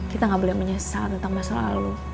kita gak boleh menyesal tentang masa lalu